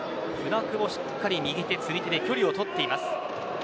舟久保、しっかり右手釣り手で距離をとっています。